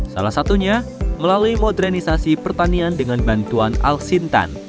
salah satunya melalui modernisasi pertanian dengan bantuan al sintan